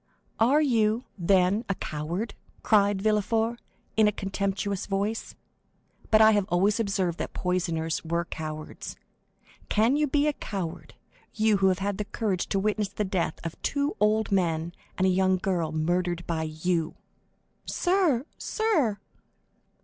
"Are you, then, a coward?" cried Villefort, in a contemptuous voice. "But I have always observed that poisoners were cowards. Can you be a coward, you, who have had the courage to witness the death of two old men and a young girl murdered by you?" "Sir! sir!"